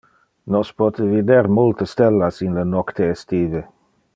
Nos pote vider multe stellas in le nocte estive.